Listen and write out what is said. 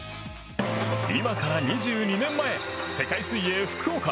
今から２２年前世界水泳福岡。